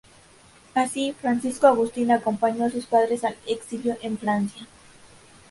Así, Francisco Agustín acompañó a sus padres al exilio en Francia.